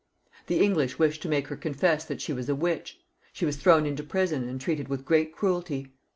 The English wished to make her confess that she was a witch ; she was thrown into prison, and treated with great cruelty.